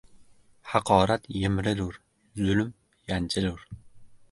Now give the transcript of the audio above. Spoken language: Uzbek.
Haqorat yemrilur, zulm yanchilur